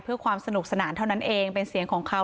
เพื่อความสนุกสนานเท่านั้นเองเป็นเสียงของเขา